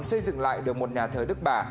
xây dựng lại được một nhà thờ đức bà